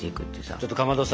ちょっとかまどさ